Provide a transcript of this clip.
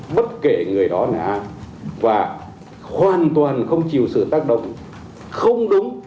bất kể người đó nè và hoàn toàn không chịu sự tác động không đúng